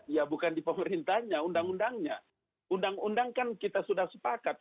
ya bukan di pemerintahnya undang undangnya undang undang kan kita sudah sepakat